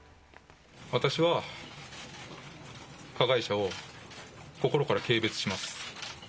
私は加害者を心から軽蔑します。